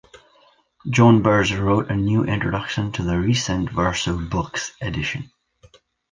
John Berger wrote a new introduction to the recent Verso Books edition.